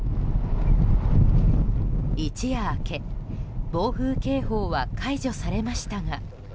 一夜明け、暴風警報は解除されましたが。